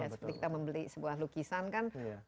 seperti kita membeli sebuah lukisan kan